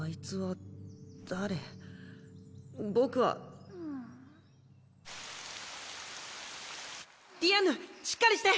ザァーーディアンヌしっかりして！